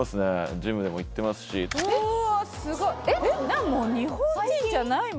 ジムにも行ってますしうわ